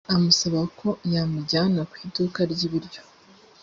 amusaba ko yamujyana ku iduka ry’ ibiryo.